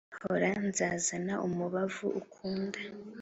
hora nzazana umubavu ukunda